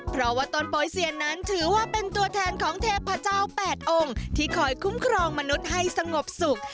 เพราะว่าต้นโปยเซียนนั้นถือว่าเป็นตัวแทนของเทพเจ้า๘องค์ที่คอยคุ้มครองมนุษย์ให้สงบสุข